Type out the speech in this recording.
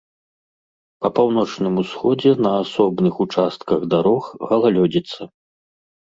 Па паўночным усходзе на асобных участках дарог галалёдзіца.